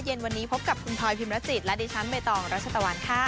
เย็นวันนี้พบกับคุณพลอยพิมรจิตและดิฉันใบตองรัชตะวันค่ะ